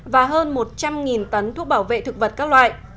và hơn một trăm linh tấn thuốc bảo vệ thực vật các loại